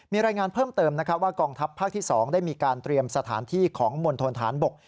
มีรายงานเพิ่มเติมว่ากองทัพภาคที่๒ได้มีการเตรียมสถานที่ของมณฑนฐานบก